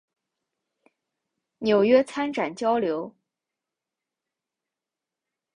纽约参展交流